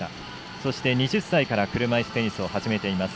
そして、２０歳から車いすテニスを始めています。